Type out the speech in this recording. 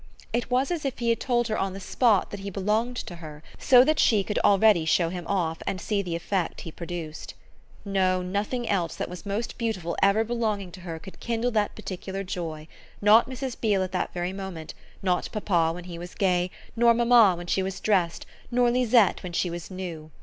It was as if he had told her on the spot that he belonged to her, so that she could already show him off and see the effect he produced. No, nothing else that was most beautiful ever belonging to her could kindle that particular joy not Mrs. Beale at that very moment, not papa when he was gay, nor mamma when she was dressed, nor Lisette when she was new.